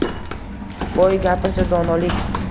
Boy gapirsa-donolik.